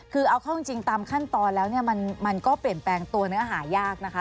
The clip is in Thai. คือเอาเข้าจริงตามขั้นตอนแล้วเนี่ยมันก็เปลี่ยนแปลงตัวเนื้อหายากนะคะ